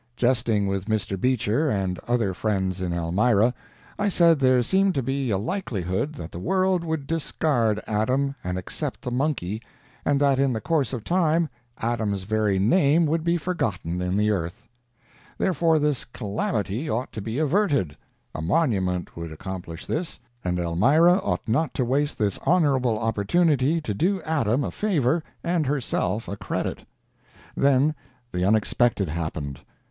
Jesting with Mr. Beecher and other friends in Elmira, I said there seemed to be a likelihood that the world would discard Adam and accept the monkey, and that in the course of time Adam's very name would be forgotten in the earth; therefore this calamity ought to be averted; a monument would accomplish this, and Elmira ought not to waste this honorable opportunity to do Adam a favor and herself a credit. Then the unexpected happened.